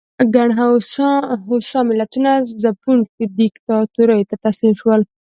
ګڼ هوسا ملتونه ځپونکو دیکتاتوریو ته تسلیم شول.